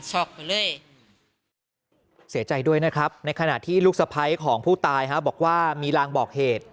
เสียใจด้วยนะครับในขณะที่ลูกสะพ้ายของผู้ตายบอกว่ามีรางบอกเหตุ